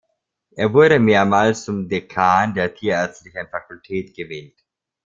Er wurde mehrmals zum Dekan der Tierärztlichen Fakultät gewählt.